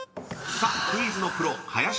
［さあクイズのプロ林